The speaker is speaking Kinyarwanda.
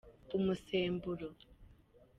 umusemburo.